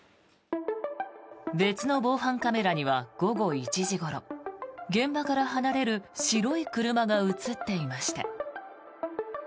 別の防犯カメラには午後１時ごろ現場から離れる白い車が映っていました。